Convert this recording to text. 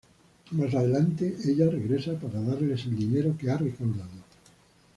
Más adelante, ella regresa para darles el dinero que ha recaudado.